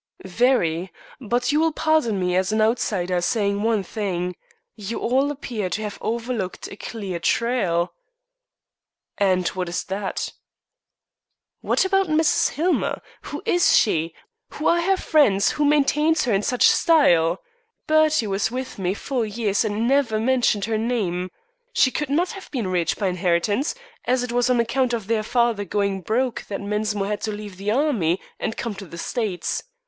"Very; but you will pardon me, as an outsider, saying one thing you all appear to have overlooked a clear trail." "And what is that?" "What about Mrs. Hillmer? Who is she? Who are her friends? Who maintains her in such style? Bertie was with me four years and never mentioned her name. She could not have been rich by inheritance, as it was on account of their father going broke that Mensmore had to leave the Army and come to the States.